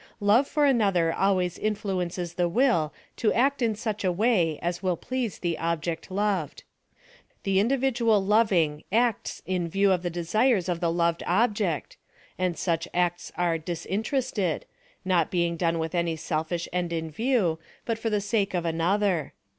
Love for^ another always influences the will to act in such a way 05 will please the object loved. The individ ual loving acts in view of the desires of tlie loved object, and such acts are disinterested^ not being done with any selfish end in view, but for the sake of another.